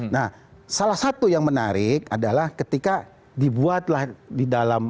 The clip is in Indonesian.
nah salah satu yang menarik adalah ketika dibuatlah di dalam